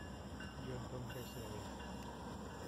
yo entonces le dije: